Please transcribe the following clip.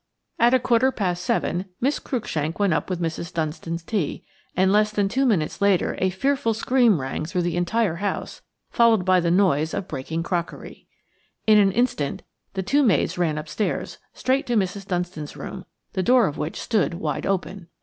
At a quarter past seven Miss Cruikshank went up with Mrs. Dunstan's tea, and less than two minutes later a fearful scream rang through the entire house, followed by the noise of breaking crockery. In an instant the two maids ran upstairs, straight to Mrs. Dunstan's room, the door of which stood wide open.